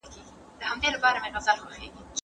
د ټولني د هوسايني لپاره اجتماعي مرستي اړيني دي.